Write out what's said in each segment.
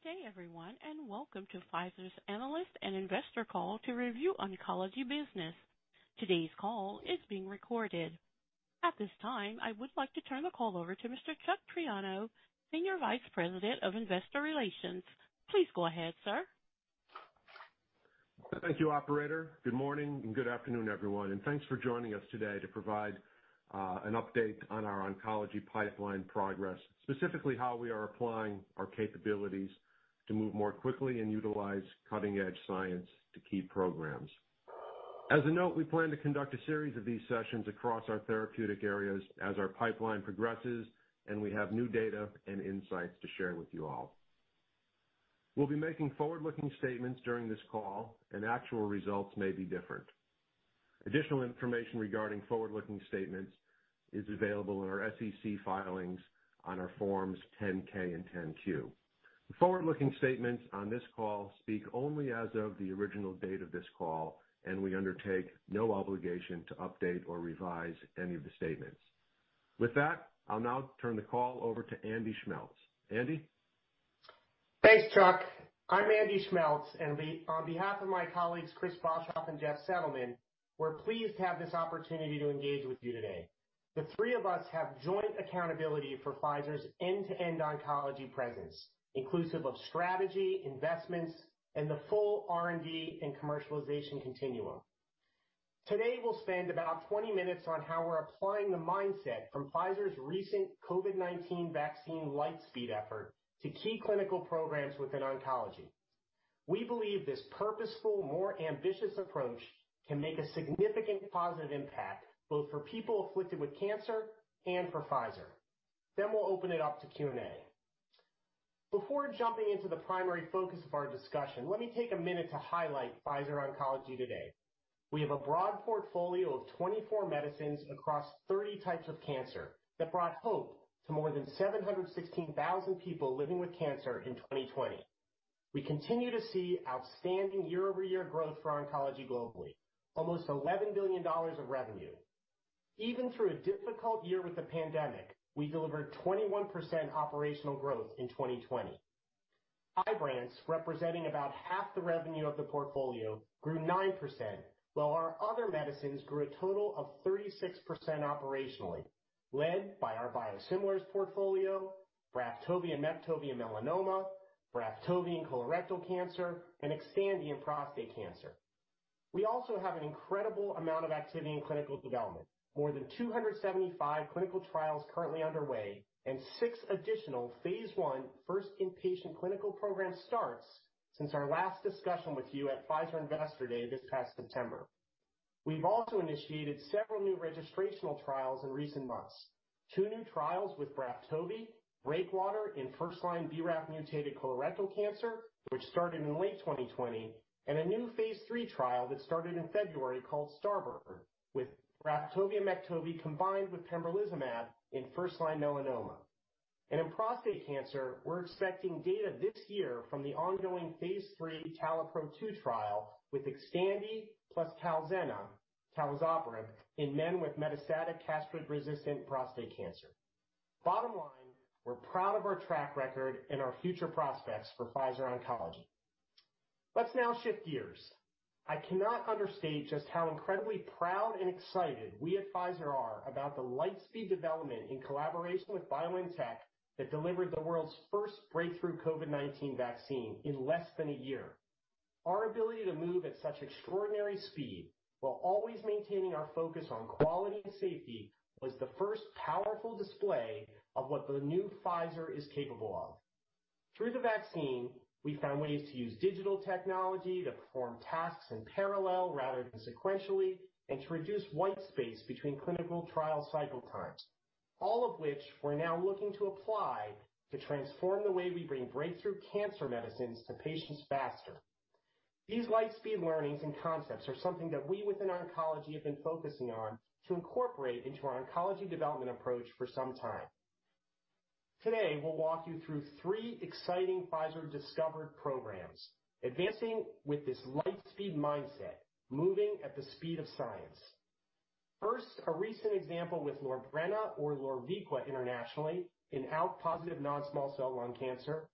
Good day, everyone, welcome to Pfizer's Analyst and Investor Call to review oncology business. Today's call is being recorded. At this time, I would like to turn the call over to Mr. Chuck Triano, Senior Vice President of Investor Relations. Please go ahead, sir. Thank you, operator. Good morning and good afternoon, everyone. Thanks for joining us today to provide an update on our oncology pipeline progress, specifically how we are applying our capabilities to move more quickly and utilize cutting-edge science to key programs. As a note, we plan to conduct a series of these sessions across our therapeutic areas as our pipeline progresses and we have new data and insights to share with you all. We'll be making forward-looking statements during this call. Actual results may be different. Additional information regarding forward-looking statements is available in our SEC filings on our Forms 10-K and 10-Q. The forward-looking statements on this call speak only as of the original date of this call. We undertake no obligation to update or revise any of the statements. With that, I'll now turn the call over to Andy Schmeltz. Andy? Thanks, Chuck. I'm Andy Schmeltz, and on behalf of my colleagues, Chris Boshoff and Jeff Settleman, we're pleased to have this opportunity to engage with you today. The three of us have joint accountability for Pfizer's end-to-end oncology presence, inclusive of strategy, investments, and the full R&D and commercialization continuum. Today, we'll spend about 20 minutes on how we're applying the mindset from Pfizer's recent COVID-19 vaccine Lightspeed effort to key clinical programs within oncology. We believe this purposeful, more ambitious approach can make a significant positive impact both for people afflicted with cancer and for Pfizer. We'll open it up to Q&A. Before jumping into the primary focus of our discussion, let me take a minute to highlight Pfizer Oncology today. We have a broad portfolio of 24 medicines across 30 types of cancer that brought hope to more than 716,000 people living with cancer in 2020. We continue to see outstanding year-over-year growth for oncology globally, almost $11 billion of revenue. Even through a difficult year with the pandemic, we delivered 21% operational growth in 2020. IBRANCE, representing about half the revenue of the portfolio, grew 9%, while our other medicines grew a total of 36% operationally, led by our biosimilars portfolio, BRAFTOVI and MEKTOVI in melanoma, BRAFTOVI in colorectal cancer, and XTANDI in prostate cancer. More than 275 clinical trials currently underway and six additional phase I first inpatient clinical program starts since our last discussion with you at Pfizer Investor Day this past September. We've also initiated several new registrational trials in recent months. Two new trials with BRAFTOVI, BREAKWATER in first-line BRAF mutated colorectal cancer, which started in late 2020, and a new phase III trial that started in February called STARBOARD, with BRAFTOVI and MEKTOVI combined with pembrolizumab in first-line melanoma. In prostate cancer, we're expecting data this year from the ongoing phase III TALAPRO-2 trial with XTANDI plus TALZENNA, talazoparib, in men with metastatic castrate-resistant prostate cancer. Bottom line, we're proud of our track record and our future prospects for Pfizer Oncology. Let's now shift gears. I cannot understate just how incredibly proud and excited we at Pfizer are about the Lightspeed development in collaboration with BioNTech that delivered the world's first breakthrough COVID-19 vaccine in less than a year. Our ability to move at such extraordinary speed while always maintaining our focus on quality and safety, was the first powerful display of what the new Pfizer is capable of. Through the vaccine, we found ways to use digital technology to perform tasks in parallel rather than sequentially, and to reduce white space between clinical trial cycle times. All of which we're now looking to apply to transform the way we bring breakthrough cancer medicines to patients faster. These Lightspeed learnings and concepts are something that we within oncology have been focusing on to incorporate into our oncology development approach for some time. Today, we'll walk you through three exciting Pfizer-discovered programs, advancing with this Lightspeed mindset, moving at the speed of science. First, a recent example with LORBRENA or LORVIQUA internationally in ALK-positive non-small cell lung cancer.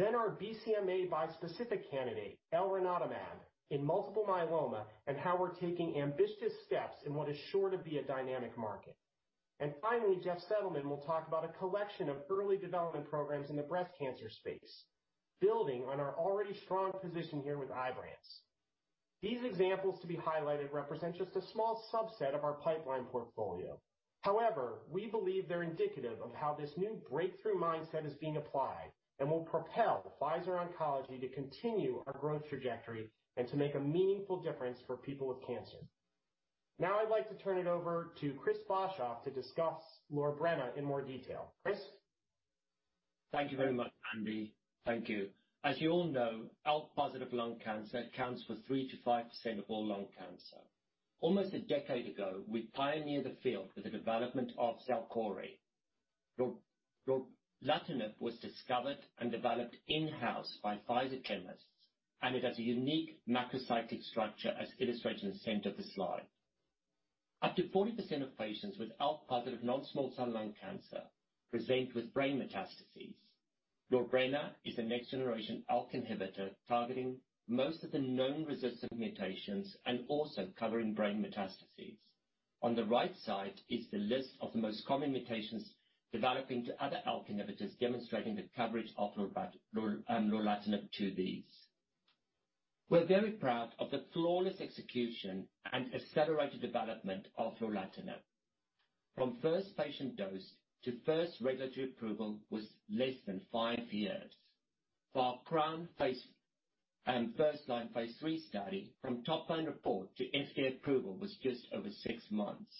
Our BCMA bispecific candidate, elranatamab, in multiple myeloma, and how we're taking ambitious steps in what is sure to be a dynamic market. Finally, Jeff Settleman will talk about a collection of early development programs in the breast cancer space, building on our already strong position here with IBRANCE. These examples to be highlighted represent just a small subset of our pipeline portfolio. However, we believe they're indicative of how this new breakthrough mindset is being applied and will propel Pfizer Oncology to continue our growth trajectory and to make a meaningful difference for people with cancer. I'd like to turn it over to Chris Boshoff to discuss LORBRENA in more detail. Chris? Thank you very much, Andy. Thank you. As you all know, ALK-positive lung cancer accounts for 3%-5% of all lung cancer. Almost a decade ago, we pioneered the field with the development of XALKORI. lorlatinib was discovered and developed in-house by Pfizer chemists, and it has a unique macrocyclic structure, as illustrated in the center of the slide. Up to 40% of patients with ALK-positive non-small cell lung cancer present with brain metastases. LORBRENA is the next-generation ALK inhibitor targeting most of the known resistant mutations and also covering brain metastases. On the right side is the list of the most common mutations developing to other ALK inhibitors, demonstrating the coverage of lorlatinib to these. We're very proud of the flawless execution and accelerated development of lorlatinib. From first patient dose to first regulatory approval was less than five years. For CROWN and first-line phase III study, from top line report to FDA approval was just over six months.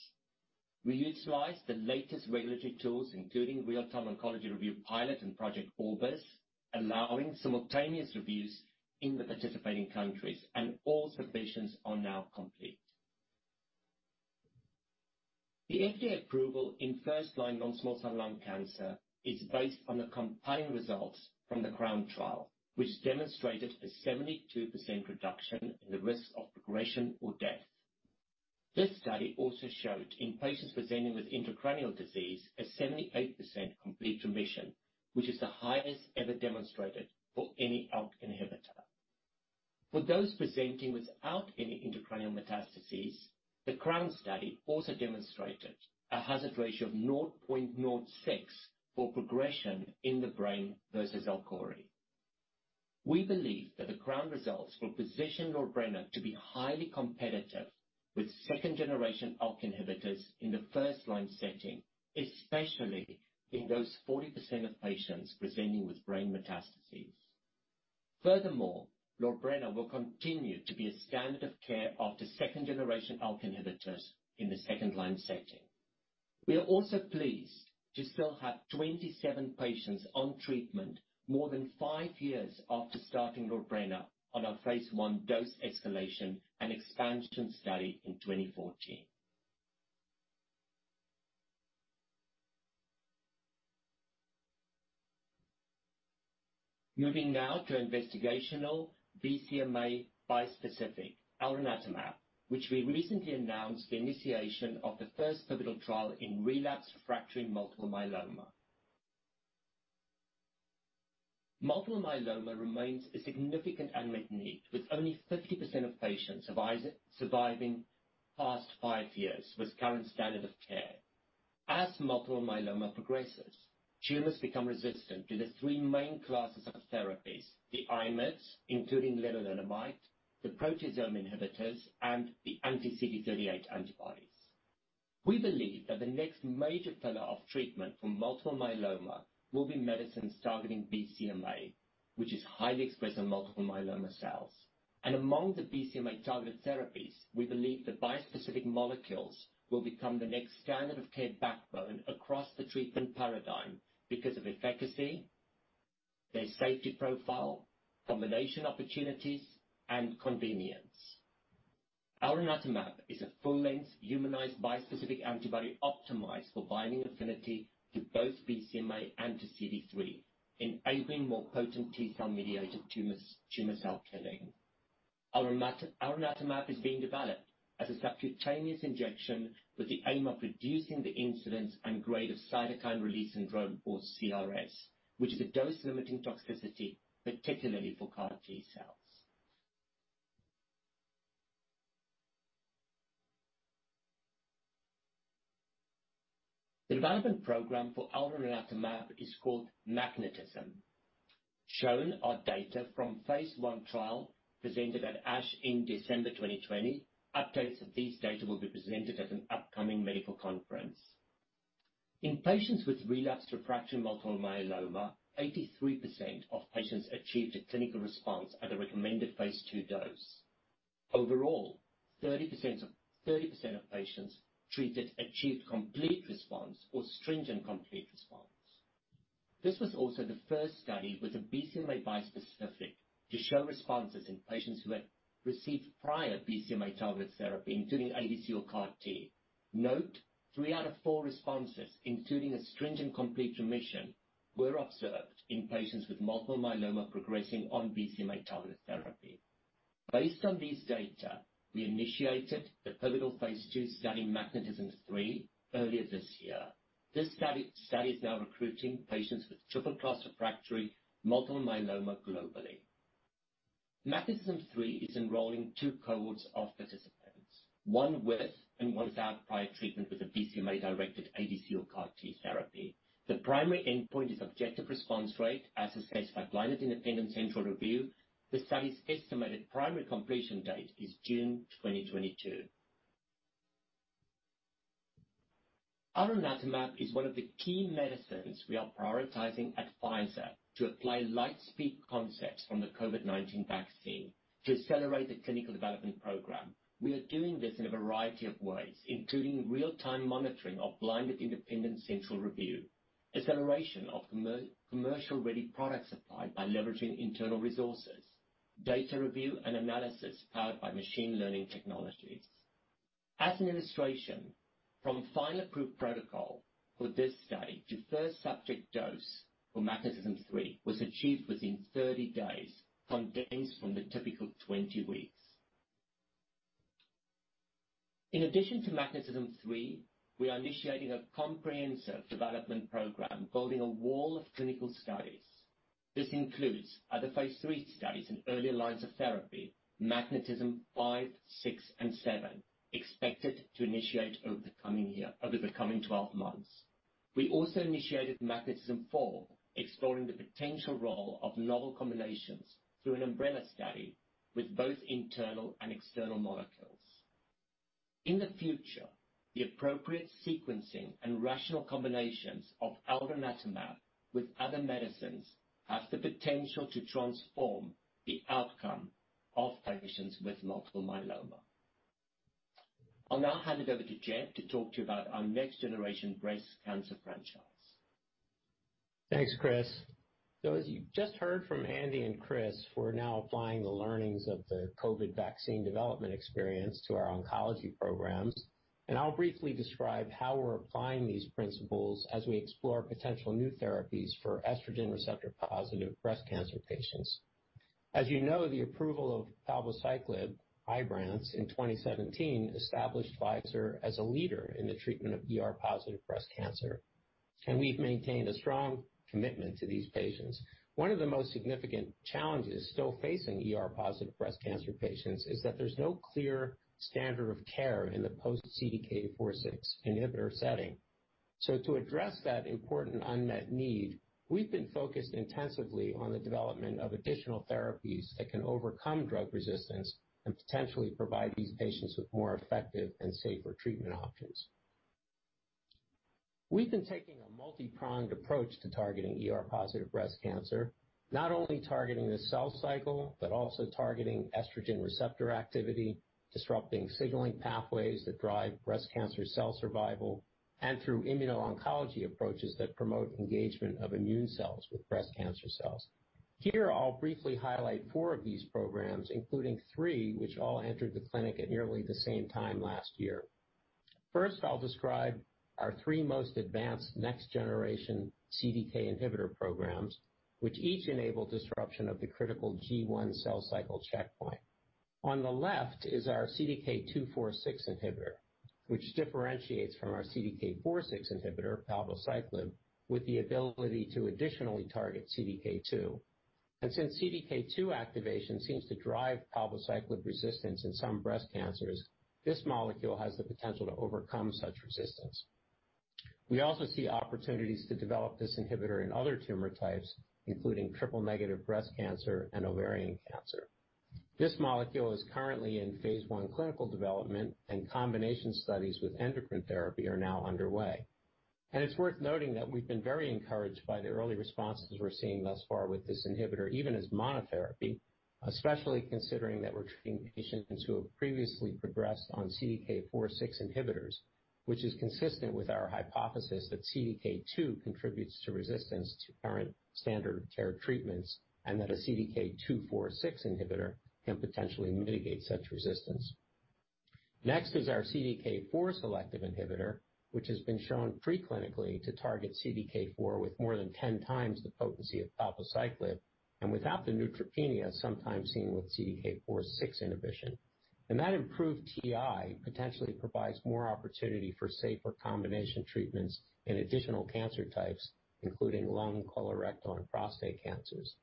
We utilized the latest regulatory tools, including Real-Time Oncology Review pilot and Project Orbis, allowing simultaneous reviews in the participating countries. All submissions are now complete. The FDA approval in first-line non-small cell lung cancer is based on the compelling results from the CROWN trial, which demonstrated a 72% reduction in the risk of progression or death. This study also showed, in patients presenting with intracranial disease, a 78% complete remission, which is the highest ever demonstrated for any ALK inhibitor. For those presenting without any intracranial metastases, the CROWN study also demonstrated a hazard ratio of 0.06 for progression in the brain versus XALKORI. We believe that the CROWN results will position LORBRENA to be highly competitive with second-generation ALK inhibitors in the first-line setting, especially in those 40% of patients presenting with brain metastases. Furthermore, LORBRENA will continue to be a standard of care after second-generation ALK inhibitors in the second-line setting. We are also pleased to still have 27 patients on treatment, more than five years after starting LORBRENA on our phase I dose escalation and expansion study in 2014. Moving now to investigational BCMA bispecific, elranatamab, which we recently announced the initiation of the first pivotal trial in relapsed refractory multiple myeloma. Multiple myeloma remains a significant unmet need, with only 50% of patients surviving past five years with current standard of care. As multiple myeloma progresses, tumors become resistant to the three main classes of therapies, the IMiDs, including lenalidomide, the proteasome inhibitors, and the anti-CD38 antibodies. We believe that the next major pillar of treatment for multiple myeloma will be medicines targeting BCMA, which is highly expressed on multiple myeloma cells. Among the BCMA-targeted therapies, we believe that bispecific molecules will become the next standard of care backbone across the treatment paradigm because of efficacy, their safety profile, combination opportunities, and convenience. elranatamab is a full-length humanized bispecific antibody optimized for binding affinity to both BCMA anti-CD3, enabling more potent T cell-mediated tumor cell killing. elranatamab is being developed as a subcutaneous injection with the aim of reducing the incidence and grade of cytokine release syndrome, or CRS, which is a dose-limiting toxicity, particularly for CAR T-cells. The development program for elranatamab is called MagnetisMM. Shown are data from phase I trial presented at ASH in December 2020. Updates of these data will be presented at an upcoming medical conference. In patients with relapsed refractory multiple myeloma, 83% of patients achieved a clinical response at a recommended phase II dose. Overall, 30% of patients treated achieved complete response or stringent complete response. This was also the first study with a BCMA bispecific to show responses in patients who had received prior BCMA-targeted therapy, including ADC or CAR T. Note, three out of four responses, including a stringent complete remission, were observed in patients with multiple myeloma progressing on BCMA-targeted therapy. Based on these data, we initiated the pivotal Phase II study, MagnetisMM-3, earlier this year. This study is now recruiting patients with triple class refractory multiple myeloma globally. MagnetisMM-3 is enrolling two cohorts of participants, one with and one without prior treatment with a BCMA-directed ADC or CAR T therapy. The primary endpoint is objective response rate as assessed by blinded independent central review. The study's estimated primary completion date is June 2022. elranatamab is one of the key medicines we are prioritizing at Pfizer to apply light speed concepts from the COVID-19 vaccine to accelerate the clinical development program. We are doing this in a variety of ways, including real-time monitoring of blinded independent central review, acceleration of commercial-ready product supply by leveraging internal resources, data review, and analysis powered by machine learning technologies. As an illustration from final approved protocol for this study to first subject dose for MagnetisMM-3 was achieved within 30 days, from the typical 20 weeks. In addition to MagnetisMM-3, we are initiating a comprehensive development program building a wall of clinical studies. This includes other phase III studies in earlier lines of therapy, MagnetisMM-5, 6, and 7, expected to initiate over the coming 12 months. We also initiated MagnetisMM-4, exploring the potential role of novel combinations through an umbrella study with both internal and external molecules. In the future, the appropriate sequencing and rational combinations of elranatamab with other medicines has the potential to transform the outcome of patients with multiple myeloma. I'll now hand it over to Jeff to talk to you about our next-generation breast cancer franchise. Thanks, Chris. As you just heard from Andy and Chris, we're now applying the learnings of the COVID vaccine development experience to our oncology programs, and I'll briefly describe how we're applying these principles as we explore potential new therapies for estrogen receptor-positive breast cancer patients. As you know, the approval of palbociclib, IBRANCE, in 2017 established Pfizer as a leader in the treatment of ER-positive breast cancer, and we've maintained a strong commitment to these patients. One of the most significant challenges still facing ER-positive breast cancer patients is that there's no clear standard of care in the post CDK4/6 inhibitor setting. To address that important unmet need, we've been focused intensively on the development of additional therapies that can overcome drug resistance and potentially provide these patients with more effective and safer treatment options. We've been taking a multi-pronged approach to targeting ER-positive breast cancer. Not only targeting the cell cycle, but also targeting estrogen receptor activity, disrupting signaling pathways that drive breast cancer cell survival, and through immuno-oncology approaches that promote engagement of immune cells with breast cancer cells. Here, I'll briefly highlight four of these programs, including three, which all entered the clinic at nearly the same time last year. First, I'll describe our three most advanced next-generation CDK inhibitor programs, which each enable disruption of the critical G1 cell cycle checkpoint. On the left is our CDK2/4/6 inhibitor, which differentiates from our CDK4/6 inhibitor, palbociclib, with the ability to additionally target CDK2. Since CDK2 activation seems to drive palbociclib resistance in some breast cancers, this molecule has the potential to overcome such resistance. We also see opportunities to develop this inhibitor in other tumor types, including triple-negative breast cancer and ovarian cancer. This molecule is currently in phase I clinical development, and combination studies with endocrine therapy are now underway. It's worth noting that we've been very encouraged by the early responses we're seeing thus far with this inhibitor, even as monotherapy, especially considering that we're treating patients who have previously progressed on CDK4/6 inhibitors, which is consistent with our hypothesis that CDK2 contributes to resistance to current standard care treatments, and that a CDK2/4/6 inhibitor can potentially mitigate such resistance. Next is our CDK4 selective inhibitor, which has been shown preclinically to target CDK4 with more than 10 times the potency of palbociclib, and without the neutropenia sometimes seen with CDK4/6 inhibition. That improved TI potentially provides more opportunity for safer combination treatments in additional cancer types, including lung, colorectal, and prostate cancers.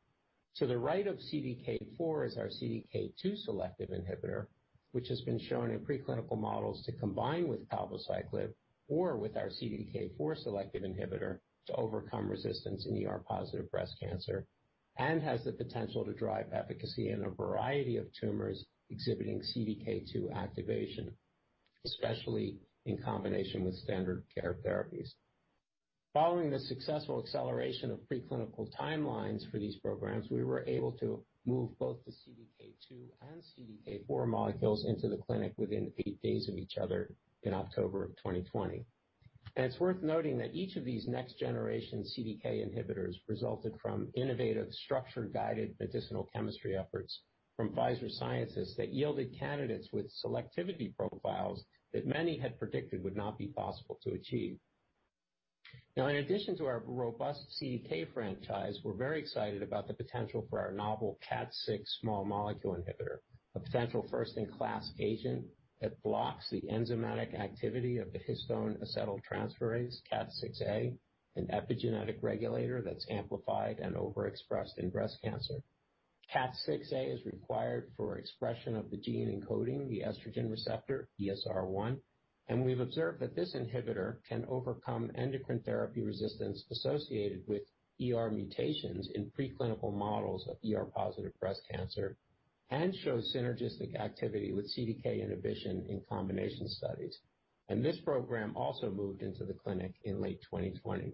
To the right of CDK4 is our CDK2 selective inhibitor, which has been shown in preclinical models to combine with palbociclib or with our CDK4 selective inhibitor to overcome resistance in ER-positive breast cancer and has the potential to drive efficacy in a variety of tumors exhibiting CDK2 activation, especially in combination with standard care therapies. Following the successful acceleration of preclinical timelines for these programs, we were able to move both the CDK2 and CDK4 molecules into the clinic within eight days of each other in October of 2020. It's worth noting that each of these next-generation CDK inhibitors resulted from innovative structure-guided medicinal chemistry efforts from Pfizer scientists that yielded candidates with selectivity profiles that many had predicted would not be possible to achieve. In addition to our robust CDK franchise, we're very excited about the potential for our novel KAT6 small molecule inhibitor, a potential first-in-class agent that blocks the enzymatic activity of the histone acetyltransferase KAT6A, an epigenetic regulator that's amplified and overexpressed in breast cancer. KAT6A is required for expression of the gene encoding the estrogen receptor, ESR1, and we've observed that this inhibitor can overcome endocrine therapy resistance associated with ER mutations in preclinical models of ER-positive breast cancer and shows synergistic activity with CDK inhibition in combination studies. This program also moved into the clinic in late 2020.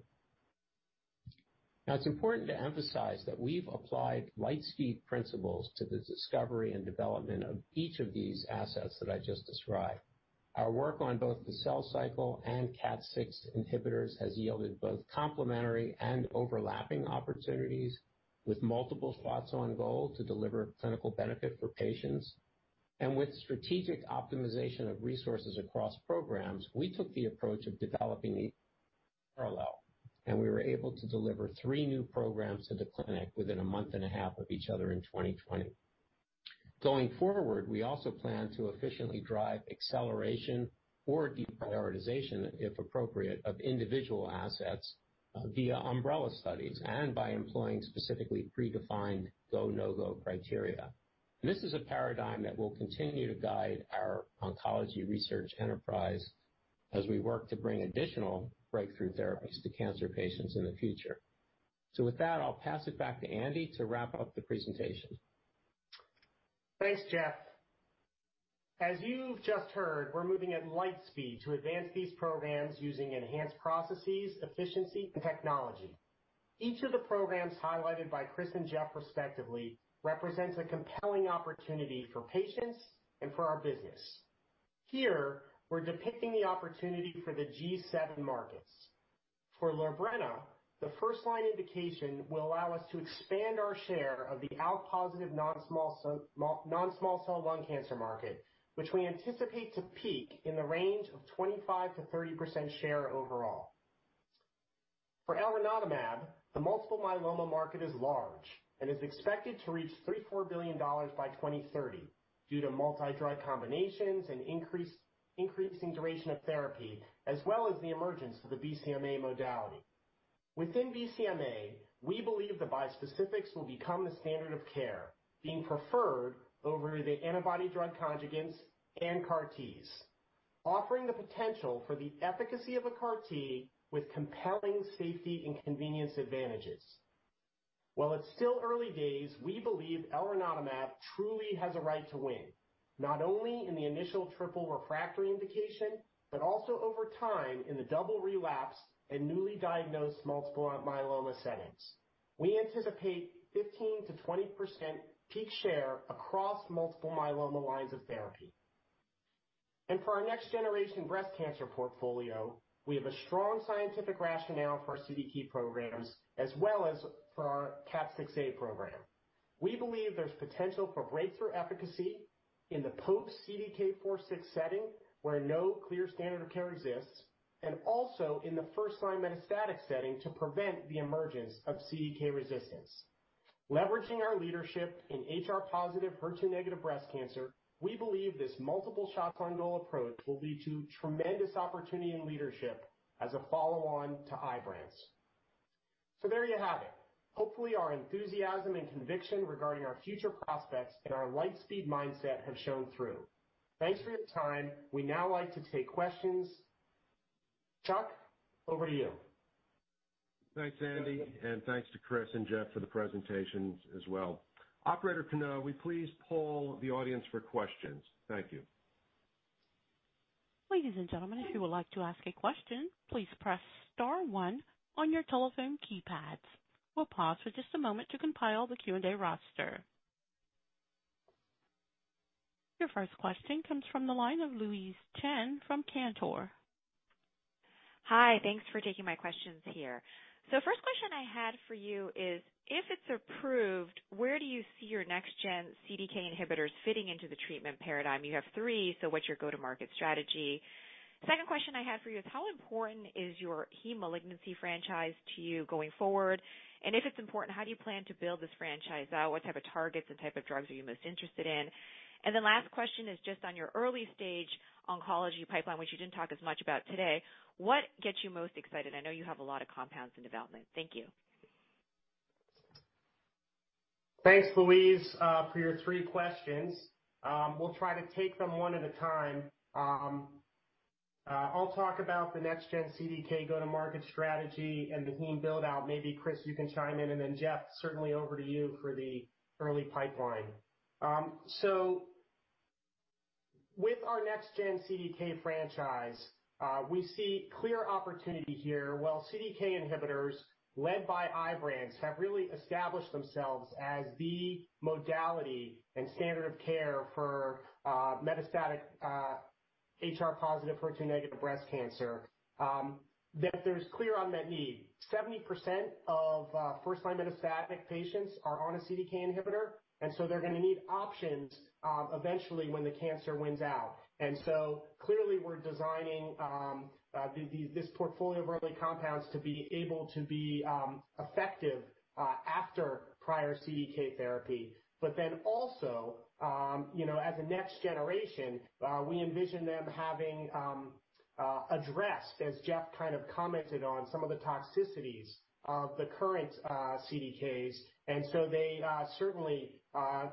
It's important to emphasize that we've applied light speed principles to the discovery and development of each of these assets that I just described. Our work on both the cell cycle and KAT6 inhibitors has yielded both complementary and overlapping opportunities with multiple shots on goal to deliver clinical benefit for patients. With strategic optimization of resources across programs, we took the approach of developing these Parallel, we were able to deliver three new programs to the clinic within a month and a half of each other in 2020. Going forward, we also plan to efficiently drive acceleration or deprioritization, if appropriate, of individual assets via umbrella studies and by employing specifically predefined go, no-go criteria. This is a paradigm that will continue to guide our oncology research enterprise as we work to bring additional breakthrough therapies to cancer patients in the future. With that, I'll pass it back to Andy to wrap up the presentation. Thanks, Jeff. As you've just heard, we're moving at light speed to advance these programs using enhanced processes, efficiency, and technology. Each of the programs highlighted by Chris and Jeff respectively represents a compelling opportunity for patients and for our business. Here, we're depicting the opportunity for the G7 markets. For LORBRENA, the first line indication will allow us to expand our share of the ALK-positive non-small cell lung cancer market, which we anticipate to peak in the range of 25%-30% share overall. For elranatamab, the multiple myeloma market is large and is expected to reach $34 billion by 2030 due to multi-drug combinations and increasing duration of therapy, as well as the emergence of the BCMA modality. Within BCMA, we believe the bispecifics will become the standard of care, being preferred over the antibody drug conjugates and CAR Ts, offering the potential for the efficacy of a CAR T with compelling safety and convenience advantages. While it's still early days, we believe elranatamab truly has a right to win, not only in the initial triple refractory indication, but also over time in the double relapse in newly diagnosed multiple myeloma settings. We anticipate 15%-20% peak share across multiple myeloma lines of therapy. For our next-generation breast cancer portfolio, we have a strong scientific rationale for our CDK programs as well as for our KAT6A program. We believe there's potential for breakthrough efficacy in the post CDK4/6 setting, where no clear standard of care exists, and also in the first-line metastatic setting to prevent the emergence of CDK resistance. Leveraging our leadership in HR-positive, HER2-negative breast cancer, we believe this multiple shots on goal approach will lead to tremendous opportunity and leadership as a follow-on to IBRANCE. There you have it. Hopefully, our enthusiasm and conviction regarding our future prospects and our light-speed mindset have shown through. Thanks for your time. We'd now like to take questions. Chuck, over to you. Thanks, Andy, and thanks to Chris and Jeff for the presentations as well. Operator, can we please poll the audience for questions? Thank you. Ladies and gentlemen, if you would like to ask a question, please press star one on your telephone keypads. We'll pause for just a moment to compile the Q&A roster. Your first question comes from the line of Louise Chen from Cantor. Hi. Thanks for taking my questions here. The first question I had for you is, if it's approved, where do you see your next-gen CDK inhibitors fitting into the treatment paradigm? You have three, what's your go-to-market strategy? Second question I had for you is, how important is your heme malignancy franchise to you going forward? If it's important, how do you plan to build this franchise out? What type of targets and type of drugs are you most interested in? The last question is just on your early-stage oncology pipeline, which you didn't talk as much about today. What gets you most excited? I know you have a lot of compounds in development. Thank you. Thanks, Louise, for your three questions. We'll try to take them one at a time. I'll talk about the next-gen CDK go-to-market strategy and the heme build-out. Maybe, Chris, you can chime in, and then Jeff, certainly over to you for the early pipeline. With our next-gen CDK franchise, we see clear opportunity here. While CDK inhibitors led by IBRANCE have really established themselves as the modality and standard of care for metastatic HR-positive, HER2-negative breast cancer, that there's clear unmet need. 70% of first-line metastatic patients are on a CDK inhibitor, and so they're going to need options eventually when the cancer wins out. Clearly we're designing this portfolio of early compounds to be able to be effective after prior CDK therapy. Also, as a next generation, we envision them having addressed, as Jeff kind of commented on, some of the toxicities of the current CDKs, and so they certainly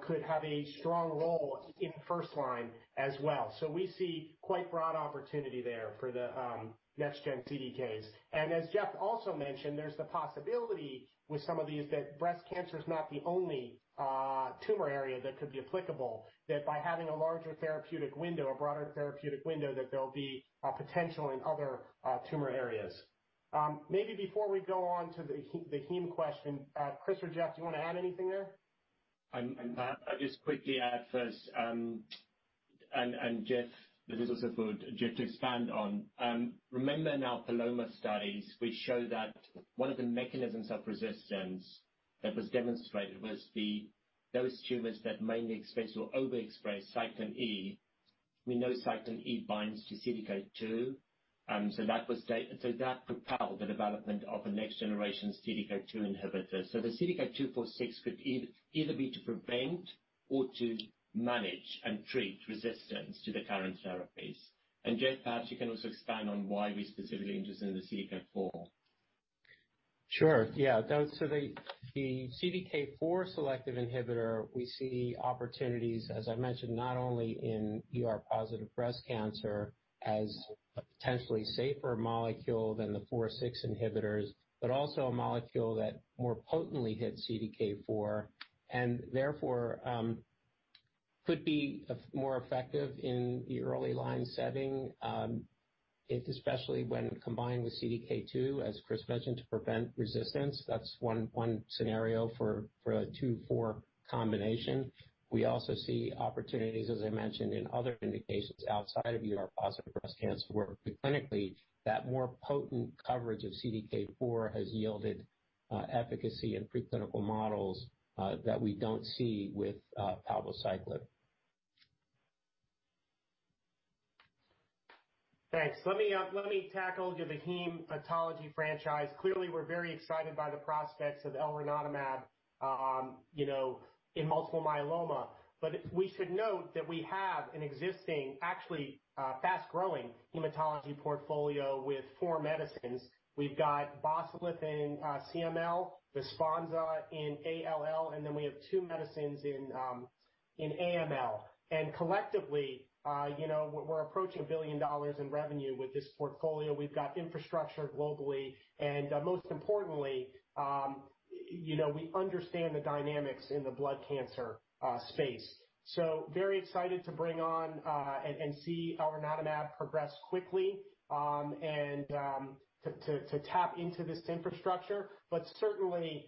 could have a strong role in first line as well. We see quite broad opportunity there for the next-gen CDKs. As Jeff also mentioned, there's the possibility with some of these that breast cancer is not the only tumor area that could be applicable, that by having a larger therapeutic window, a broader therapeutic window, that there'll be potential in other tumor areas. Maybe before we go on to the heme question, Chris or Jeff, do you want to add anything there? I'll just quickly add first, and Jeff, this is also for Jeff to expand on. Remember in our PALOMA studies, we show that one of the mechanisms of resistance that was demonstrated was those tumors that mainly express or overexpress cyclin E. We know cyclin E binds to CDK2. That propelled the development of a next generation CDK2 inhibitor. The CDK2/4/6 could either be to prevent or to manage and treat resistance to the current therapies. Jeff, perhaps you can also expand on why we're specifically interested in the CDK4. Sure. Yeah. The CDK4 selective inhibitor, we see opportunities, as I mentioned, not only in ER-positive breast cancer as a potentially safer molecule than the CDK4/6 inhibitors, but also a molecule that more potently hits CDK4 and therefore, could be more effective in the early line setting, especially when combined with CDK2, as Chris mentioned, to prevent resistance. That's one scenario for a CDK2/4 combination. We also see opportunities, as I mentioned, in other indications outside of ER-positive breast cancer, where clinically that more potent coverage of CDK4 has yielded efficacy in preclinical models that we don't see with palbociclib. Thanks. Let me tackle the heme hematology franchise. Clearly, we're very excited by the prospects of elranatamab in multiple myeloma. We should note that we have an existing, actually, fast-growing hematology portfolio with four medicines. We've got BOSULIF in CML, BESPONSA in ALL, we have two medicines in AML. Collectively, we're approaching $1 billion in revenue with this portfolio. We've got infrastructure globally, most importantly, we understand the dynamics in the blood cancer space. Very excited to bring on and see elranatamab progress quickly, to tap into this infrastructure. Certainly,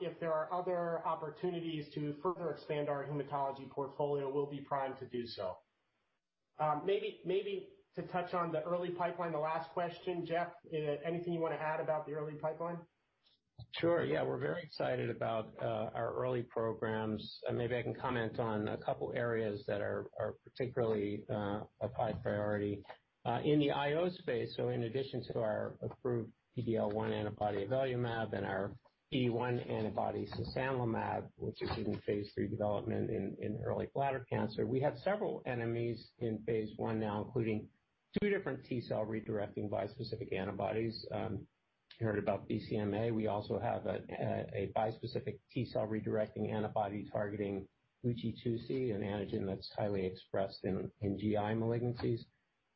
if there are other opportunities to further expand our hematology portfolio, we'll be primed to do so. Maybe to touch on the early pipeline, the last question, Jeff, anything you want to add about the early pipeline? Sure. Yeah. We're very excited about our early programs. Maybe I can comment on a couple areas that are particularly a high priority. In the IO space, in addition to our approved PD-L1 antibody avelumab and our PD-1 antibody sasanlimab, which is in phase III development in early bladder cancer, we have several NMEs in phase I now, including two different T-cell redirecting bispecific antibodies. You heard about BCMA. We also have a bispecific T-cell redirecting antibody targeting GUCY2C, an antigen that's highly expressed in GI malignancies.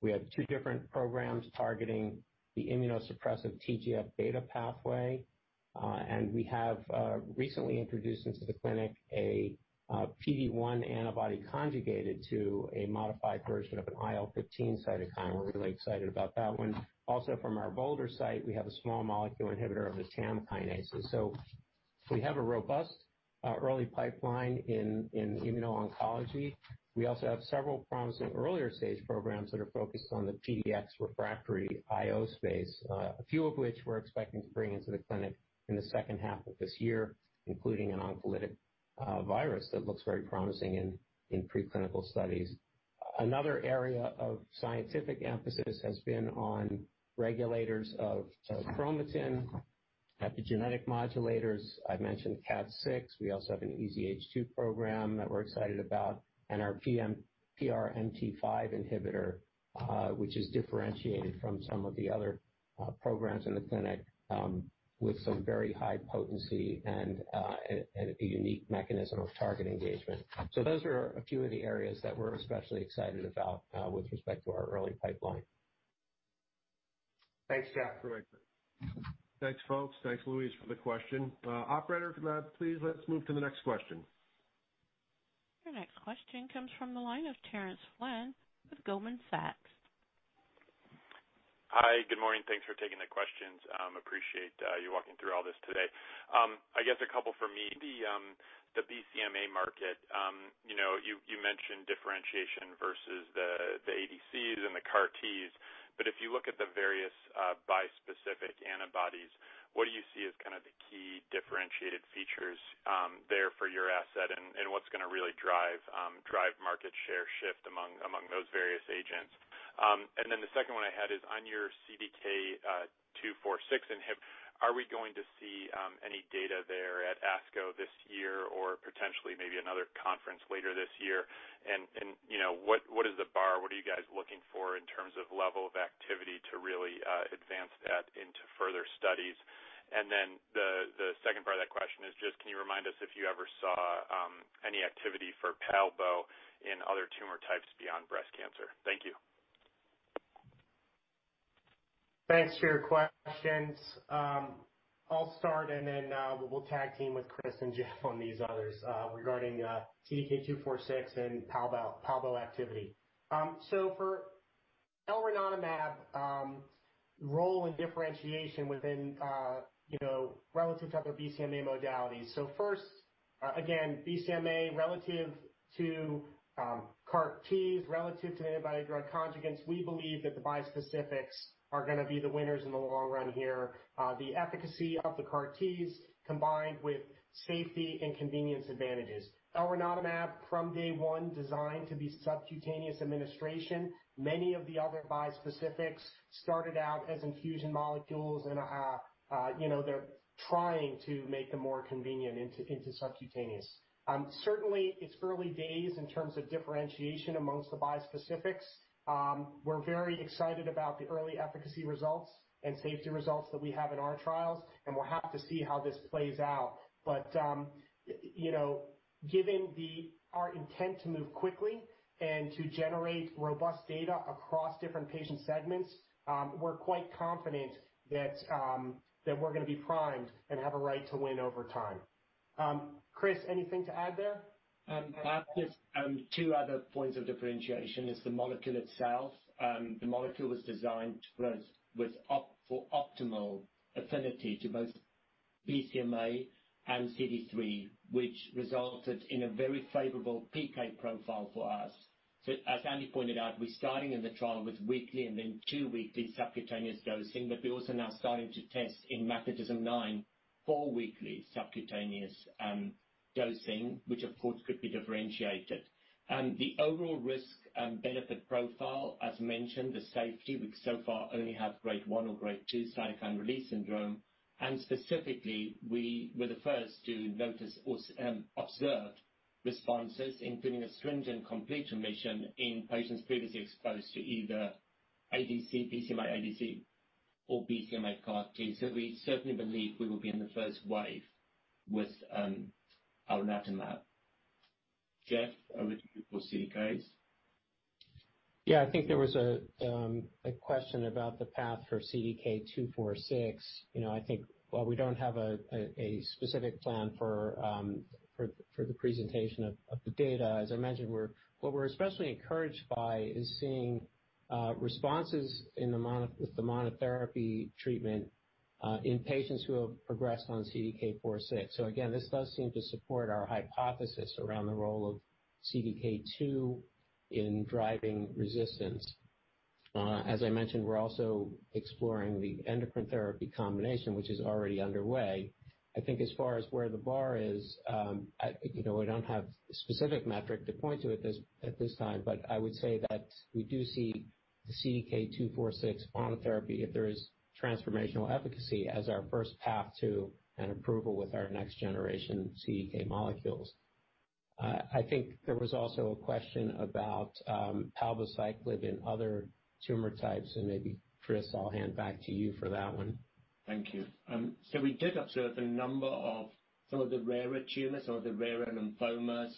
We have two different programs targeting the immunosuppressive TGF-beta pathway. We have recently introduced into the clinic a PD-1 antibody conjugated to a modified version of an IL-15 cytokine. We're really excited about that one. Also from our Boulder site, we have a small molecule inhibitor of the TAM kinases. We have a robust early pipeline in immuno-oncology. We also have several promising earlier stage programs that are focused on the PD-1 refractory IO space, a few of which we're expecting to bring into the clinic in the second half of this year, including an oncolytic virus that looks very promising in pre-clinical studies. Another area of scientific emphasis has been on regulators of chromatin, epigenetic modulators. I've mentioned KAT6. We also have an EZH2 program that we're excited about, and our PRMT5 inhibitor, which is differentiated from some of the other programs in the clinic with some very high potency and a unique mechanism of target engagement. Those are a few of the areas that we're especially excited about with respect to our early pipeline. Thanks, Jeff. Great. Thanks, folks. Thanks, Louise, for the question. Operator, please let's move to the next question. Your next question comes from the line of Terence Flynn with Goldman Sachs. Hi, good morning. Thanks for taking the questions. Appreciate you walking through all this today. I guess a couple from me. The BCMA market. You mentioned differentiation versus the ADCs and the CAR-Ts, but if you look at the various bispecific antibodies, what do you see as kind of the key differentiated features there for your asset and what's going to really drive market share shift among those various agents? The second one I had is on your CDK2/4/6 inhib, are we going to see any data there at ASCO this year or potentially maybe another conference later this year? What is the bar? What are you guys looking for in terms of level of activity to really advance that into further studies? The second part of that question is just, can you remind us if you ever saw any activity for palbo in other tumor types beyond breast cancer? Thank you. Thanks for your questions. I'll start and then we'll tag team with Chris and Jeff on these others regarding CDK2/4/6 and palbo activity. For elranatamab role in differentiation within, relative to other BCMA modalities. first- BCMA relative to CAR T, relative to antibody drug conjugates, we believe that the bispecifics are going to be the winners in the long run here. The efficacy of the CAR T, combined with safety and convenience advantages. Elranatamab, from day one, designed to be subcutaneous administration. Many of the other bispecifics started out as infusion molecules and they're trying to make them more convenient into subcutaneous. It's early days in terms of differentiation amongst the bispecifics. We're very excited about the early efficacy results and safety results that we have in our trials, and we'll have to see how this plays out. Given our intent to move quickly and to generate robust data across different patient segments, we're quite confident that we're going to be primed and have a right to win over time. Chris, anything to add there? I have just two other points of differentiation is the molecule itself. The molecule was designed for optimal affinity to both BCMA and CD3, which resulted in a very favorable PK profile for us. As Andy pointed out, we're starting in the trial with weekly and then two weekly subcutaneous dosing, but we're also now starting to test in MagnetisMM-9, four weekly subcutaneous dosing, which of course could be differentiated. The overall risk benefit profile, as mentioned, the safety, we so far only have grade 1 or grade 2 cytokine release syndrome, and specifically, we were the first to notice observed responses, including a stringent complete remission in patients previously exposed to either ADC, BCMA ADC, or BCMA CAR T. We certainly believe we will be in the first wave with elranatamab. Jeff, over to you for CDKs. I think there was a question about the path for CDK2/4/6. I think while we don't have a specific plan for the presentation of the data, as I mentioned, what we're especially encouraged by is seeing responses with the monotherapy treatment in patients who have progressed on CDK4/6. Again, this does seem to support our hypothesis around the role of CDK2 in driving resistance. As I mentioned, we're also exploring the endocrine therapy combination, which is already underway. I think as far as where the bar is, we don't have a specific metric to point to at this time, but I would say that we do see the CDK2/4/6 monotherapy if there is transformational efficacy as our first path to an approval with our next generation CDK molecules. I think there was also a question about palbociclib in other tumor types, and maybe Chris, I'll hand back to you for that one. Thank you. We did observe the number of some of the rarer tumors or the rarer lymphomas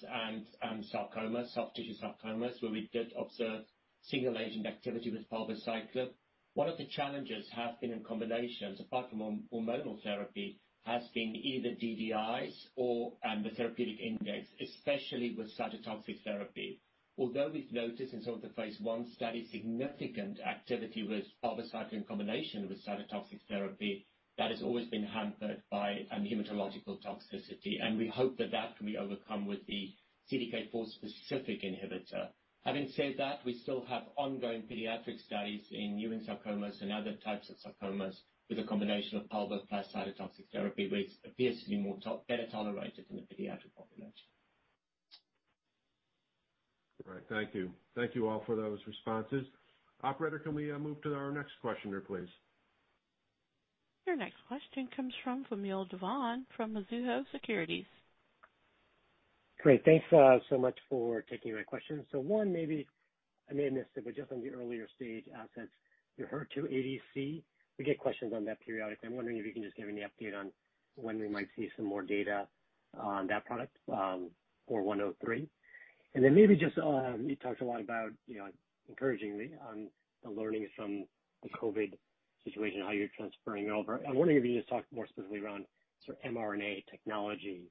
and sarcomas, soft tissue sarcomas, where we did observe single agent activity with palbociclib. One of the challenges has been in combinations, apart from hormonal therapy, has been either DDIs or the therapeutic index, especially with cytotoxic therapy. Although we've noticed in some of the phase I studies significant activity with palbociclib in combination with cytotoxic therapy, that has always been hampered by hematological toxicity, and we hope that that can be overcome with the CDK4 specific inhibitor. Having said that, we still have ongoing pediatric studies in new sarcomas and other types of sarcomas with a combination of palbo plus cytotoxic therapy, which appears to be better tolerated in the pediatric population. All right. Thank you. Thank you all for those responses. Operator, can we move to our next questioner, please? Your next question comes from Vamil Divan from Mizuho Securities. Great. Thanks so much for taking my questions. One, maybe I may have missed it, but just on the earlier stage assets, your HER2 ADC, we get questions on that periodically. I'm wondering if you can just give any update on when we might see some more data on that product, HER2 ADC. Then maybe just, you talked a lot about encouraging the learning from the COVID situation, how you're transferring over. I'm wondering if you can just talk more specifically around sort of mRNA technology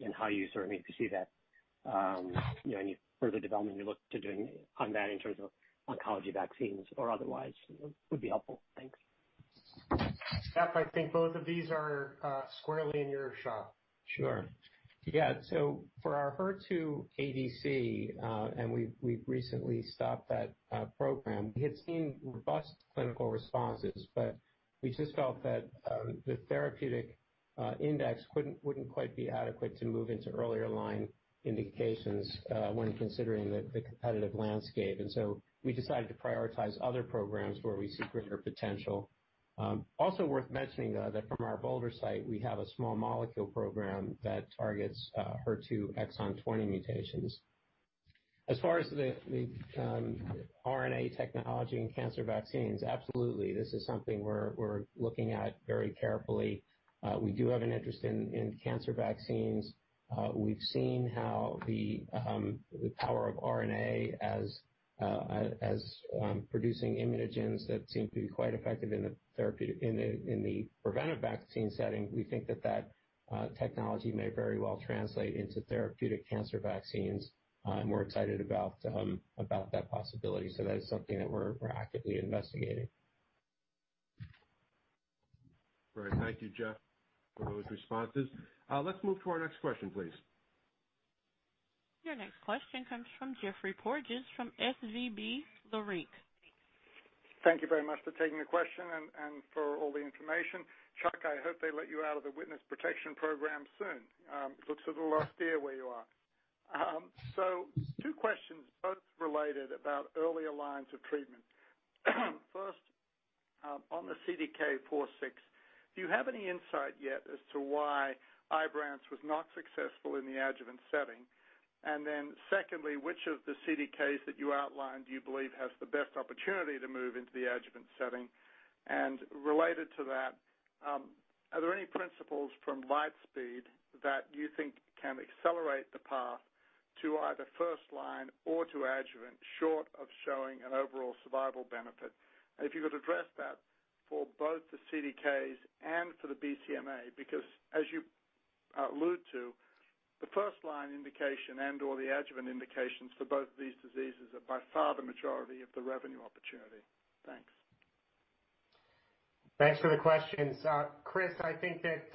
and how you sort of maybe see that any further development you look to doing on that in terms of oncology vaccines or otherwise, would be helpful. Thanks. Jeff, I think both of these are squarely in your shop. Sure. Yeah. For our HER2 ADC, we've recently stopped that program. We had seen robust clinical responses, we just felt that the therapeutic index wouldn't quite be adequate to move into earlier line indications when considering the competitive landscape. We decided to prioritize other programs where we see greater potential. Also worth mentioning, though, that from our Boulder site, we have a small molecule program that targets HER2 exon 20 mutations. As far as the RNA technology in cancer vaccines, absolutely. This is something we're looking at very carefully. We do have an interest in cancer vaccines. We've seen how the power of RNA as producing immunogens that seem to be quite effective in the preventive vaccine setting. We think that that technology may very well translate into therapeutic cancer vaccines, we're excited about that possibility. That is something that we're actively investigating. Right. Thank you, Jeff, for those responses. Let's move to our next question, please. Your next question comes from Geoffrey Porges from SVB Leerink. Thank you very much for taking the question and for all the information. Chuck, I hope they let you out of the witness protection program soon. It looks a little rough there where you are. Two questions, both related about earlier lines of treatment. First, on the CDK4/6, do you have any insight yet as to why IBRANCE was not successful in the adjuvant setting? Then secondly, which of the CDKs that you outlined do you believe has the best opportunity to move into the adjuvant setting? Related to that, are there any principles from Lightspeed that you think can accelerate the path to either first line or to adjuvant short of showing an overall survival benefit? If you could address that for both the CDKs and for the BCMA, because as you allude to, the first line indication and/or the adjuvant indications for both of these diseases are by far the majority of the revenue opportunity. Thanks. Thanks for the questions. Chris, I think that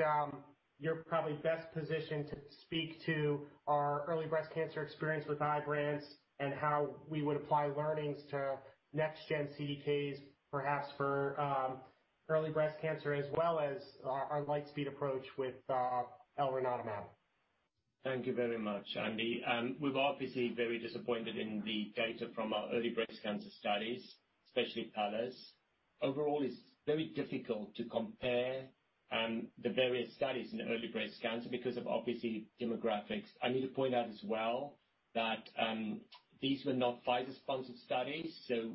you're probably best positioned to speak to our early breast cancer experience with IBRANCE and how we would apply learnings to next gen CDKs, perhaps for early breast cancer as well as our Lightspeed approach with elranatamab. Thank you very much, Andy. We're obviously very disappointed in the data from our early breast cancer studies, especially PALLAS. Overall, it's very difficult to compare the various studies in early breast cancer because of, obviously, demographics. I need to point out as well that these were not Pfizer-sponsored studies, so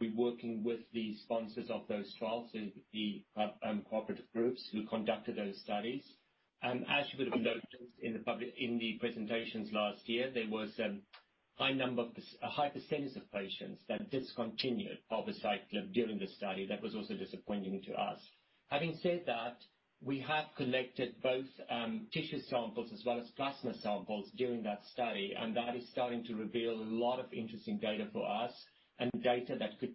we're working with the sponsors of those trials, so the cooperative groups who conducted those studies. As you would have noticed in the presentations last year, there was a high percentage of patients that discontinued palbociclib during the study. That was also disappointing to us. Having said that, we have collected both tissue samples as well as plasma samples during that study, and that is starting to reveal a lot of interesting data for us and data that could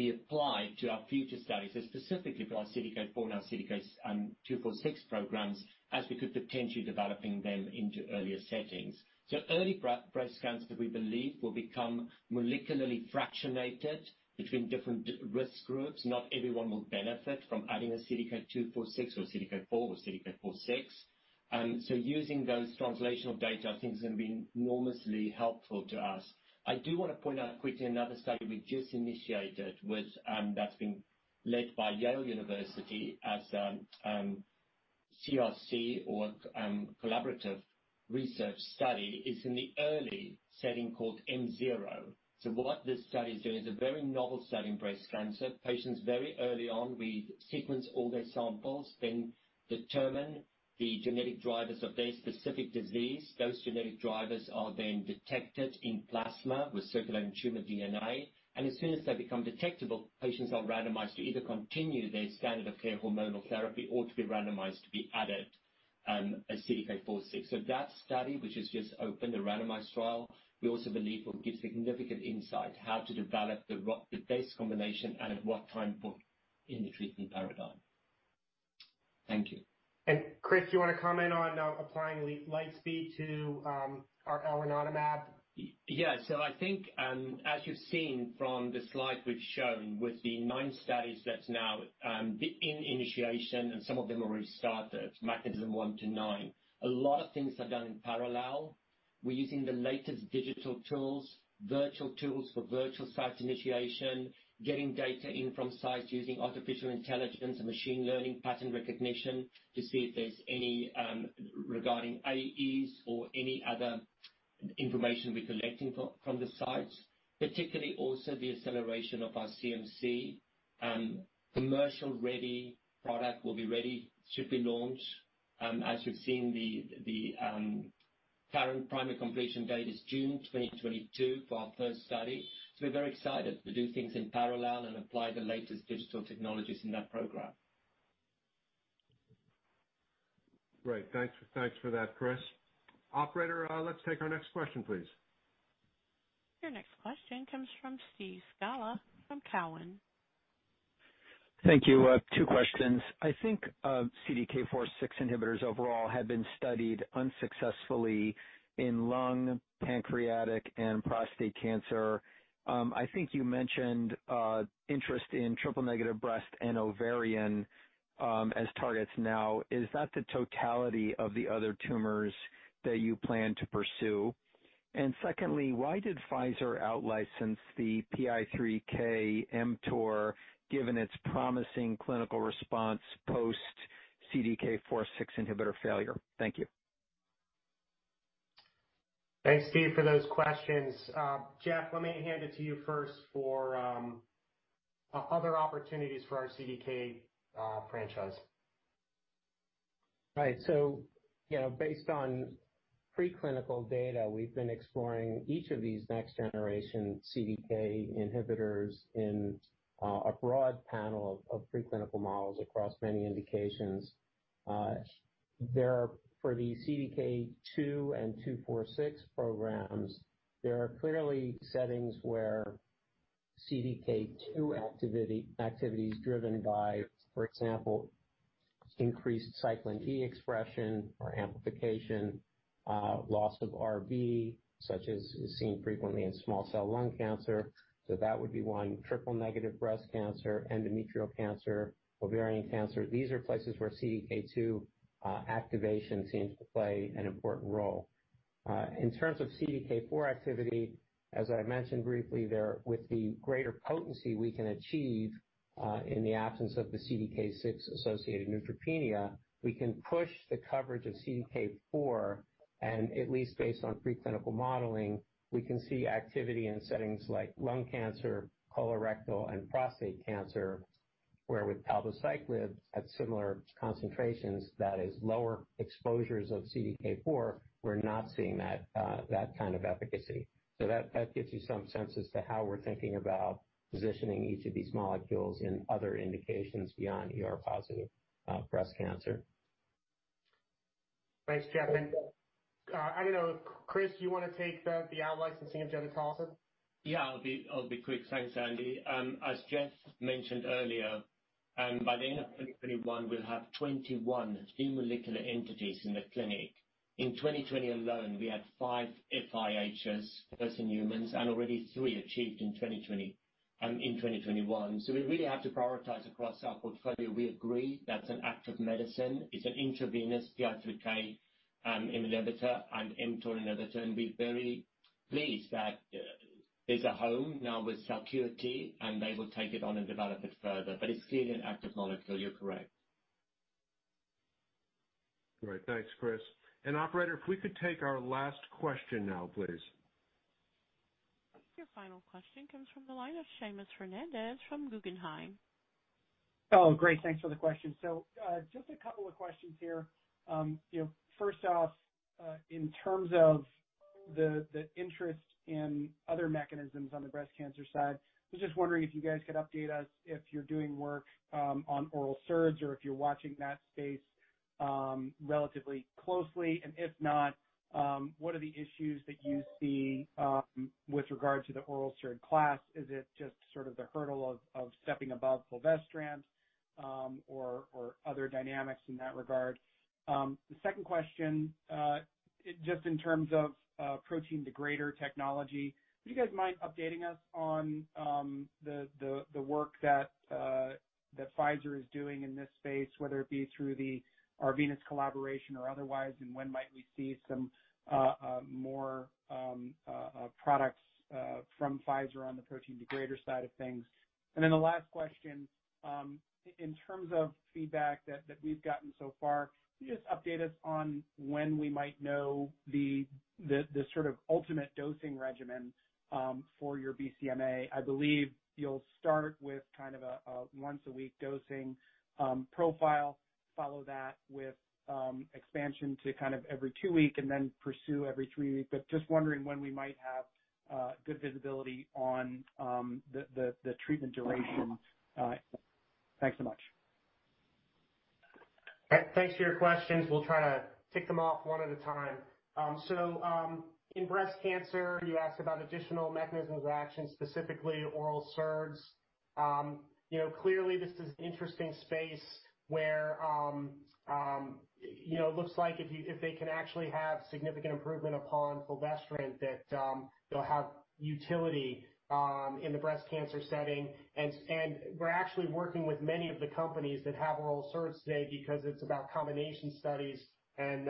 be applied to our future studies. Specifically for our CDK4 and our CDK2/6 programs as we could potentially developing them into earlier settings. Early breast cancer, we believe, will become molecularly fractionated between different risk groups. Not everyone will benefit from adding a CDK2/6 or CDK4 or CDK4/6. Using those translational data, I think, is going to be enormously helpful to us. I do want to point out quickly another study we just initiated that's being led by Yale University as a CRC or collaborative research study, is in the early setting called M0. What this study is doing is a very novel study in breast cancer. Patients very early on, we sequence all their samples, then determine the genetic drivers of their specific disease. Those genetic drivers are then detected in plasma with circulating tumor DNA, and as soon as they become detectable, patients are randomized to either continue their standard of care hormonal therapy or to be randomized to be added a CDK4/6. That study, which has just opened, a randomized trial, we also believe will give significant insight how to develop the best combination and at what time point in the treatment paradigm. Thank you. Chris, do you want to comment on applying Lightspeed to our elranatamab? I think, as you's seen from the slide we've shown with the nine studies that's now in initiation, and some of them already started, MagnetisMM one to nine, a lot of things are done in parallel. We're using the latest digital tools, virtual tools for virtual site initiation, getting data in from sites using artificial intelligence and machine learning pattern recognition to see if there's any regarding AEs or any other information we're collecting from the sites. Particularly also the acceleration of our CMC. Commercial ready product will be ready to be launched. As you've seen, the current primary completion date is June 2022 for our first study. We're very excited to do things in parallel and apply the latest digital technologies in that program. Great. Thanks for that, Chris. Operator, let's take our next question, please. Your next question comes from Steve Scala from Cowen. Thank you. Two questions. I think CDK4/6 inhibitors overall have been studied unsuccessfully in lung, pancreatic, and prostate cancer. I think you mentioned interest in triple-negative breast and ovarian as targets now. Is that the totality of the other tumors that you plan to pursue? Secondly, why did Pfizer out-license the PI3K/mTOR, given its promising clinical response post CDK4/6 inhibitor failure? Thank you. Thanks, Steve, for those questions. Jeff, let me hand it to you first for other opportunities for our CDK franchise. Based on preclinical data, we've been exploring each of these next generation CDK inhibitors in a broad panel of preclinical models across many indications. For the CDK2 and CDK2/4/6 programs, there are clearly settings where CDK2 activity is driven by, for example, increased cyclin E expression or amplification, loss of RB, such as is seen frequently in small cell lung cancer. That would be one. Triple negative breast cancer, endometrial cancer, ovarian cancer. These are places where CDK2 activation seems to play an important role. In terms of CDK4 activity, as I mentioned briefly there, with the greater potency we can achieve in the absence of the CDK6 associated neutropenia, we can push the coverage of CDK4, and at least based on preclinical modeling, we can see activity in settings like lung cancer, colorectal and prostate cancer, where with palbociclib at similar concentrations, that is lower exposures of CDK4, we're not seeing that kind of efficacy. That gives you some sense as to how we're thinking about positioning each of these molecules in other indications beyond ER-positive breast cancer. Thanks, Jeff. I don't know, Chris, you want to take the out-licensing of gedatolisib? Yeah, I'll be quick. Thanks, Andy. As Jeff mentioned earlier, by the end of 2021, we'll have 21 new molecular entities in the clinic. In 2020 alone, we had five First-in-Human, first in humans, and already three achieved in 2021. We really have to prioritize across our portfolio. We agree that's an active medicine. It's an intravenous PI3K inhibitor and mTOR inhibitor, and we're very pleased that there's a home now with Celcuity, and they will take it on and develop it further. It's still an active molecule, you're correct. All right. Thanks, Chris. Operator, if we could take our last question now, please. Your final question comes from the line of Seamus Fernandez from Guggenheim. Oh, great. Thanks for the question. Just a couple of questions here. First off, in terms of the interest in other mechanisms on the breast cancer side, I was just wondering if you guys could update us, if you're doing work on oral SERDs or if you're watching that space relatively closely. If not, what are the issues that you see with regard to the oral SERD class? Is it just sort of the hurdle of stepping above fulvestrant, or other dynamics in that regard? The second question, just in terms of protein degrader technology, would you guys mind updating us on the work that Pfizer is doing in this space, whether it be through the Arvinas collaboration or otherwise, and when might we see some more products from Pfizer on the protein degrader side of things? The last question, in terms of feedback that we've gotten so far, can you just update us on when we might know the sort of ultimate dosing regimen for your BCMA? I believe you'll start with kind of a once a week dosing profile, follow that with expansion to kind of every two week and then pursue every three week. Just wondering when we might have good visibility on the treatment duration. Thanks so much. Thanks for your questions. We'll try to tick them off one at a time. In breast cancer, you asked about additional mechanisms of action, specifically oral SERDs. Clearly, this is an interesting space where it looks like if they can actually have significant improvement upon fulvestrant, that they'll have utility in the breast cancer setting. We're actually working with many of the companies that have oral SERDs today because it's about combination studies, and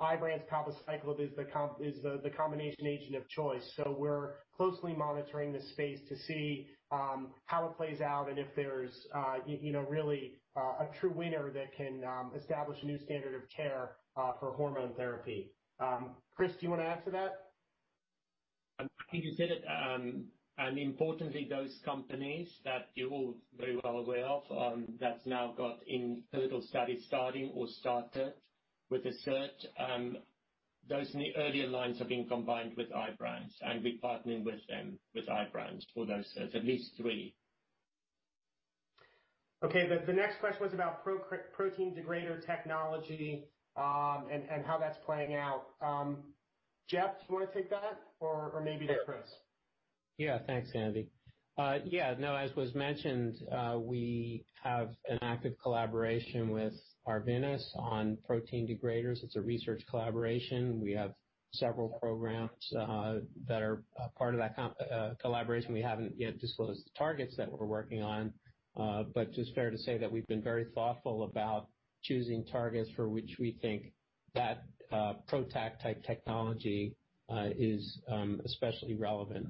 IBRANCE palbociclib is the combination agent of choice. We're closely monitoring this space to see how it plays out and if there's really a true winner that can establish a new standard of care for hormone therapy. Chris, do you want to answer that? I think you said it. Importantly, those companies that you're all very well aware of, that's now got in hurdle studies starting or started with the SERD. Those in the earlier lines have been combined with IBRANCE, and we're partnering with them, with IBRANCE for those SERDs, at least three. Okay. The next question was about protein degrader technology, how that's playing out. Jeff, do you want to take that? Maybe to Chris? Thanks, Andy. As was mentioned, we have an active collaboration with Arvinas on protein degraders. It's a research collaboration. We have several programs that are part of that collaboration. We haven't yet disclosed the targets that we're working on. Just fair to say that we've been very thoughtful about choosing targets for which we think that PROTAC-type technology is especially relevant,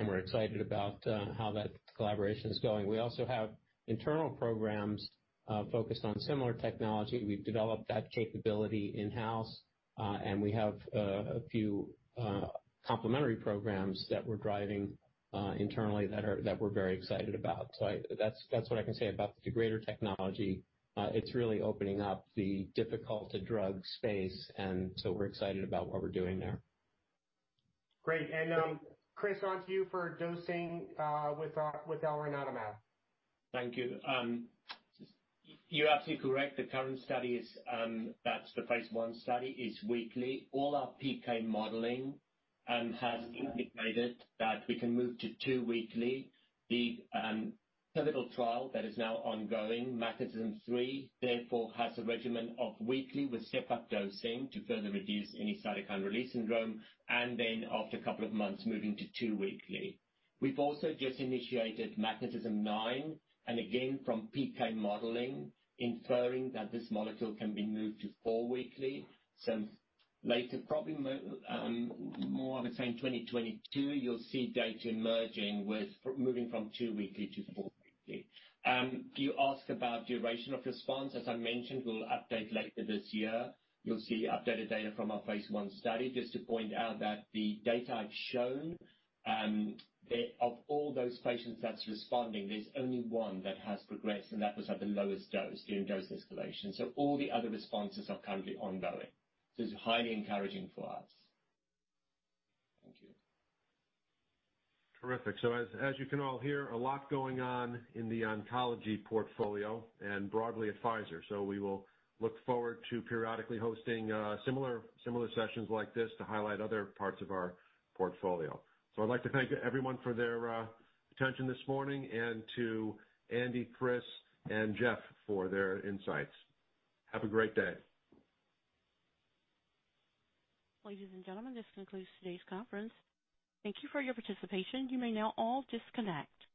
and we're excited about how that collaboration is going. We also have internal programs focused on similar technology. We've developed that capability in-house, and we have a few complementary programs that we're driving internally that we're very excited about. That's what I can say about the degrader technology. It's really opening up the difficult to drug space, and so we're excited about what we're doing there. Great. Chris, on to you for dosing with elranatamab. Thank you. You're absolutely correct. The current study is, that's the phase I study, is weekly. All our PK modeling has indicated that we can move to two weekly. The pivotal trial that is now ongoing, MagnetisMM-3, therefore has a regimen of weekly with step-up dosing to further reduce any cytokine release syndrome, and then after a couple of months, moving to two weekly. We've also just initiated MagnetisMM-9, and again, from PK modeling, inferring that this molecule can be moved to four weekly, since later probably more, I would say in 2022, you'll see data emerging with moving from two weekly to four weekly. You ask about duration of response. As I mentioned, we'll update later this year. You'll see updated data from our phase I study. Just to point out that the data I've shown, of all those patients that's responding, there's only one that has progressed, and that was at the lowest dose during dose escalation. All the other responses are currently ongoing. It's highly encouraging for us. Thank you. Terrific. As you can all hear, a lot going on in the oncology portfolio and broadly at Pfizer. We will look forward to periodically hosting similar sessions like this to highlight other parts of our portfolio. I'd like to thank everyone for their attention this morning and to Andy, Chris, and Jeff for their insights. Have a great day. Ladies and gentlemen, this concludes today's conference. Thank you for your participation. You may now all disconnect.